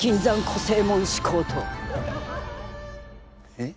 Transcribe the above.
えっ？